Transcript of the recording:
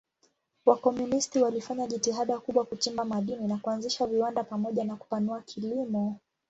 Wakomunisti walifanya jitihada kubwa kuchimba madini na kuanzisha viwanda pamoja na kupanua kilimo.